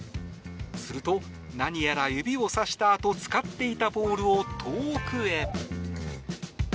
すると、何やら指をさしたあと使っていたボールを遠くへ。